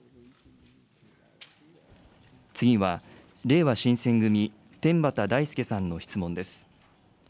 次はれいわ新選組、天畠大輔さんの質問です。